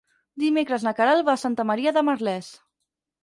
Dimecres na Queralt va a Santa Maria de Merlès.